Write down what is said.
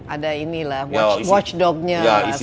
ada ini lah watchdognya